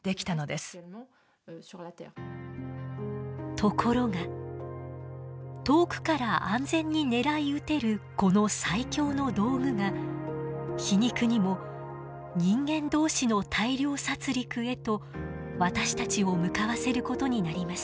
ところが遠くから安全に狙い撃てるこの最強の道具が皮肉にも人間同士の大量殺戮へと私たちを向かわせることになります。